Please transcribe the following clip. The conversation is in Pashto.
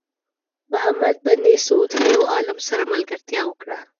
محمد بن سعود له یو عالم سره ملګرتیا وکړه.